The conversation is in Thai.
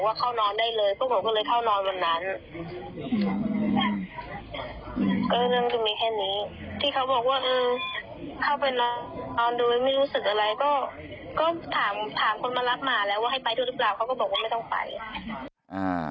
เขาก็บอกว่าไม่ต้องไป